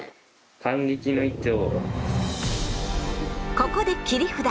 ここで切り札。